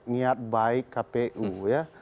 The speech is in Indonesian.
niat baik kpu